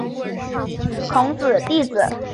孔子弟子。